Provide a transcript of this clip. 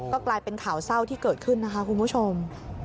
ก็กลายเป็นข่าวเศร้าที่เกิดขึ้นนะคะคุณผู้ชม